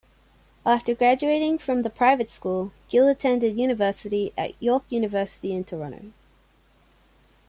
After graduating from the private school, Gill attended university at York University in Toronto.